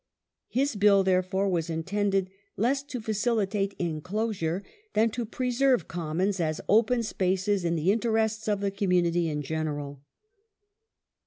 His Bill, therefore, was intended less to facilitate enclosure than to pre serve Commons as open spaces in the interests of the community in general.